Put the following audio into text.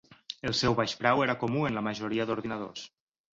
El seu baix preu era comú en la majoria d'ordinadors.